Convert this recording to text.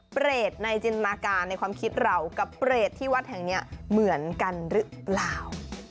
เปรตในจินตนาการในความคิดเรากับเปรตที่วัดแห่งนี้เหมือนกันหรือเปล่า